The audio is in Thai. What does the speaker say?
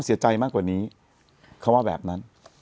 เยี่ยมเลยล่ะ